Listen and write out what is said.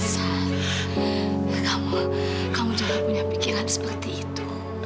saat kamu kamu jangan punya pikiran seperti itu